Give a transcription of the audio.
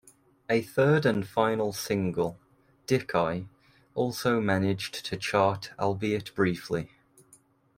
A third and final single, "Dickeye," also managed to chart albeit briefly.